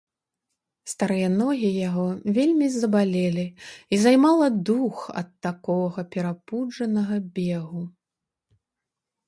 Старыя ногі яго вельмі забалелі, і займала дух ад такога перапуджанага бегу.